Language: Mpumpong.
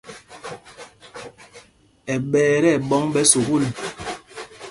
Ɛ́ ɓɛ̄y tí ɛɓɔ̌ŋ ɓɛ̌ sukûl.